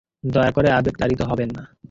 দয়া করে আবেগ তাড়িত হবেন না।